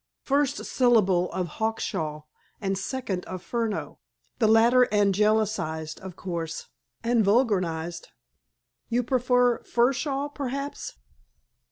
First syllable of Hawkshaw and second of Furneaux—the latter Anglicized, of course." "And vulgarized." "You prefer Furshaw, perhaps?"